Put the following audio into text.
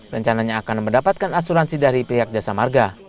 rencananya akan mendapatkan asuransi dari pihak jasa marga